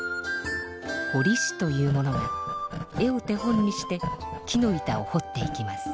ほりしという者が絵を手本にして木の板をほっていきます。